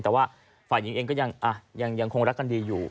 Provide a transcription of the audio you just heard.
แต่ว่าฝ่ายหญิงเองก็ยังคงรักกันดีอยู่